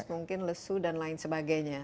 mungkin lesu dan lain sebagainya